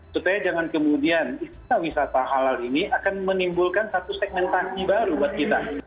supaya jangan kemudian wisata halal ini akan menimbulkan satu segmentasi baru buat kita